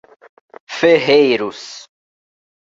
Ferreiros